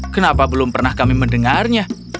kenapa kami belum pernah mendengarnya